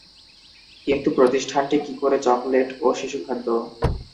কিন্তু প্রতিষ্ঠানটি কি করে চকলেট ও শিশুখাদ্য?